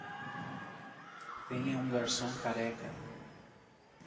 Tenha um garçom careca